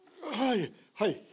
はいはい。